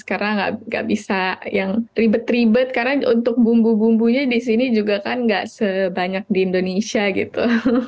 karena gak bisa yang ribet ribet karena untuk bumbu bumbunya di sini juga kan gak sebanyak di indonesia gitu